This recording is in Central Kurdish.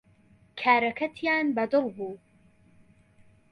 کارەکەتیان بەدڵ بوو